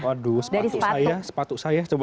waduh sepatu saya sepatu saya coba